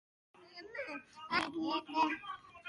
د جنګي اسیرانو د ازادېدلو اوازې خپرې شوې وې